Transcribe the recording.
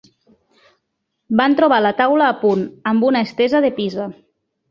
Van trobar la taula a punt, amb una estesa de pisa